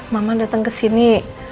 mama dateng kesini